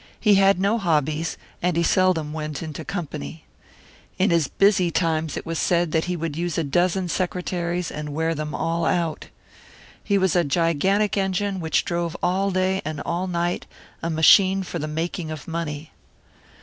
He had no hobbies, and he seldom went into company. In his busy times it was said that he would use a dozen secretaries, and wear them all out. He was a gigantic engine which drove all day and all night a machine for the making of money.